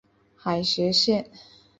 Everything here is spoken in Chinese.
海峡线。